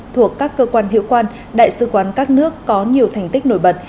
thuộc các cơ quan hiệu quan đại sứ quán các nước có nhiều thành tích nổi bật